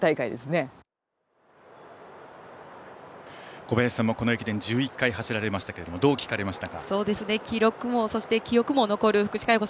小林さんもこの駅伝１１回走られましたがどう聞かれましたか？